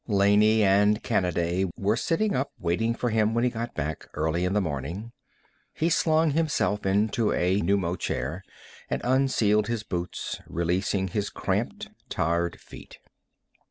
Laney and Kanaday were sitting up waiting for him when he got back, early in the morning. He slung himself into a pneumochair and unsealed his boots, releasing his cramped, tired feet.